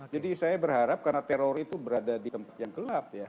jadi saya berharap karena teror itu berada di tempat yang kelas